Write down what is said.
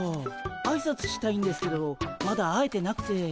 あいさつしたいんですけどまだ会えてなくて。